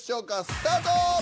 スタート！